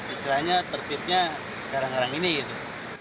istilahnya tertibnya sekarang ini gitu